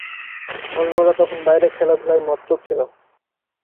অন্যরা তখন বাইরে খেলাধুলায় মত্ত ছিল।